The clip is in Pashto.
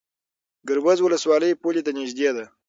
ګربز ولسوالۍ پولې ته نږدې ده؟